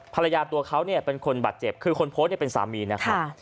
ตัวเขาเนี่ยเป็นคนบาดเจ็บคือคนโพสต์เนี่ยเป็นสามีนะครับ